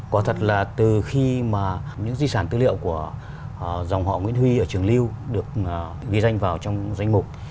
quả thật là từ khi mà những di sản tư liệu của dòng họ nguyễn huy ở trường lưu được ghi danh vào trong danh mục